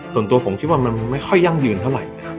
ส่วนตัวผมคิดว่ามันไม่ค่อยยั่งยืนเท่าไหร่